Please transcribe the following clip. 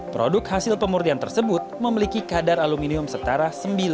produk hasil pemurnian tersebut memiliki kadar aluminium setara sembilan